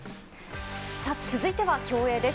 続いては競泳です。